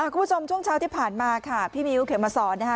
ช่วงเช้าที่ผ่านมาค่ะพี่มิ้วเข็มมาสอนนะคะ